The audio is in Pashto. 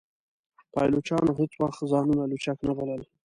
پایلوچانو هیڅ وخت ځانونه لوچک نه بلل.